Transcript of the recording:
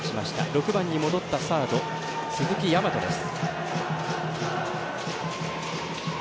６番に戻ってサード鈴木大和です。